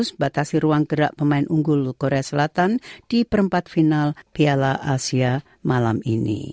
membatasi ruang gerak pemain unggul korea selatan di perempat final piala asia malam ini